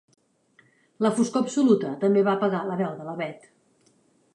La foscor absoluta també va apagar la veu de la Bet.